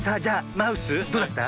マウスどうだった？